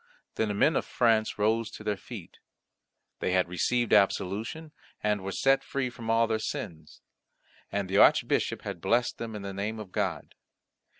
Then the men of France rose to their feet. They had received absolution, and were set free from all their sins, and the Archbishop had blessed them in the name of God.